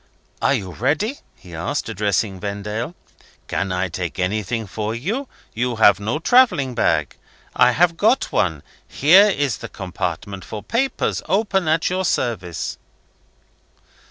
"Are you ready?" he asked, addressing Vendale. "Can I take anything for you? You have no travelling bag. I have got one. Here is the compartment for papers, open at your service."